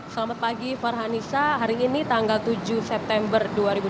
selamat pagi farhanisa hari ini tanggal tujuh september dua ribu dua puluh